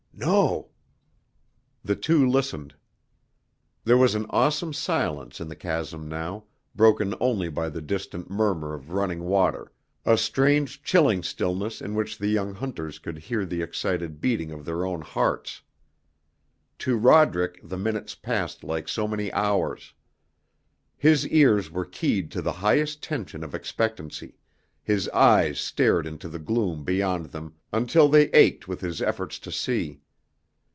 "No." The two listened. There was an awesome silence in the chasm now, broken only by the distant murmur of running water, a strange, chilling stillness in which the young hunters could hear the excited beating of their own hearts. To Roderick the minutes passed like so many hours. His ears were keyed to the highest tension of expectancy, his eyes stared into the gloom beyond them until they ached with his efforts to see.